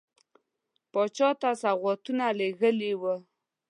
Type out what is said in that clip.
پاچا ته سوغاتونه لېږلي وه.